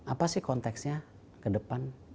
apa sih konteksnya ke depan